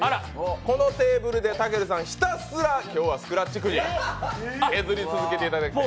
このテーブルで、たけるさん、ひたすら、今日はスクラッチくじをえぐり続けていただきます。